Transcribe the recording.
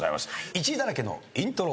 １位だらけのイントロ。